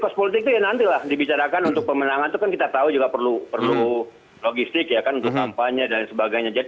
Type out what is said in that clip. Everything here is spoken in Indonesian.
kos politik itu ya nantilah dibicarakan untuk pemenangan itu kan kita tahu juga perlu logistik ya kan untuk kampanye dan sebagainya